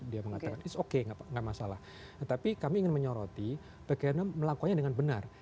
dia mengatakan it's okay enggak masalah tapi kami ingin menyoroti bagaimana melakukannya dengan benar